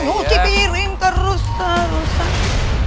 dicipirin terus terus terus